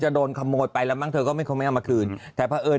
โดนขโมยไปแล้วมั้งเธอก็ไม่คงไม่เอามาคืนแต่เพราะเอิญ